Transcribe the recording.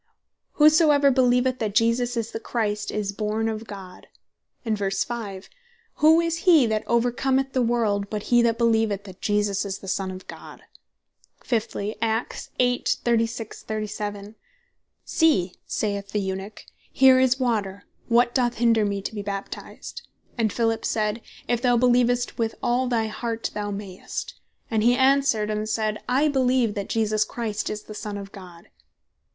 "whosoever beleeveth that Jesus is the Christ, is born of God." And verse 5. "Who is hee that overcommeth the world, but he that beleeveth that Jesus is the Son of God?" Fiftly, Act. 8. ver. 36, 37. "See (saith the Eunuch) here is water, what doth hinder me to be baptized? And Philip said, If thou beleevest with all thy heart thou mayst. And hee answered and said, I beleeve that Jesus Christ is the Son of God."